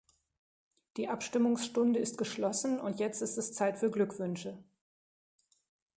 Die Abstimmungsstunde ist geschlossen und jetzt ist es Zeit für Glückwünsche.